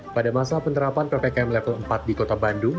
pada masa penerapan ppkm level empat di kota bandung